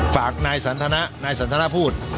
ฝากนายสันทนะนายสันทนาพูด